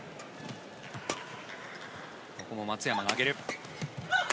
ここも松山が上げる。